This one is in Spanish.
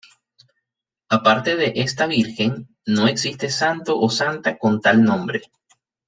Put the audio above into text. Aparte de esta Virgen, no existe santo o santa con tal nombre.